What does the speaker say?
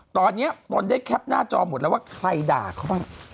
ตอนนี้ตนได้แคปหน้าจอหมดแล้วว่าใครด่าเขาบ้าง